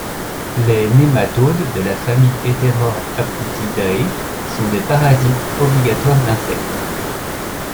Les nématodes de la famille Heterorhabditidae sont des parasites obligatoires d'insectes.